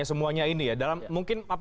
semuanya ini mungkin apa pak